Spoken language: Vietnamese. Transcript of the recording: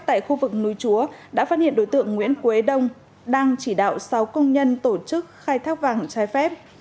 tại khu vực núi chúa đã phát hiện đối tượng nguyễn quế đông đang chỉ đạo sáu công nhân tổ chức khai thác vàng trái phép